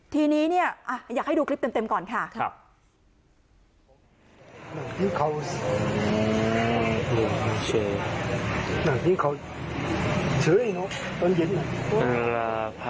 ทีนี้เนี่ยอยากให้ดูคลิปเต็มก่อนค่ะ